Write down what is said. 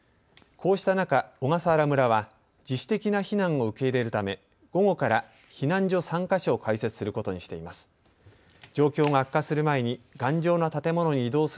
こうした中、小笠原村は自主的な避難を受け入れるため午後から避難所３か所を開設することにしています。